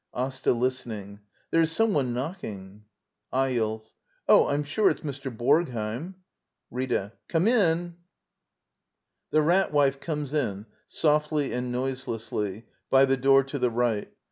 AsTA. [Listening.] There is some one knock ing. Eyolf. Oh, Vm sure it's Mr. Borgheiml ^' 1^^ Rita. Come in. [The Rat Wife comes in, softly and noiselessly, by the door to the right.